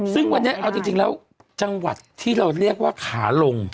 ซึ่งวันนี้เอาจริงแล้วจังหวัดที่เราเรียกว่าขาลง